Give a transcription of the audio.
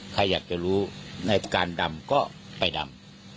ใครอยากจะรู้ในการดำก็ไปดำ